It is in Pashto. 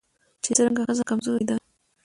چې څرنګه ښځه کمزورې ده